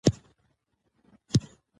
ماشوم باید د بېلېدو اضطراب تجربه وکړي.